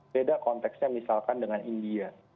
beda konteksnya misalkan dengan india